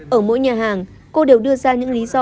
ở mỗi nhà hàng cô đều đưa ra những lý do